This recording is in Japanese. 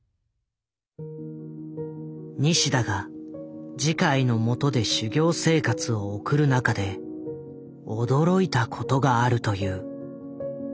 西田が慈海のもとで修行生活を送る中で驚いたことがあるという。